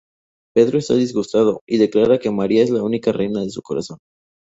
Pedro está disgustado, y declara que María es la única reina de su corazón.